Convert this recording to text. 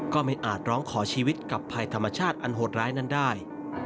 ไม่อาจร้องขอชีวิตกับภัยธรรมชาติอันโหดร้ายนั้นได้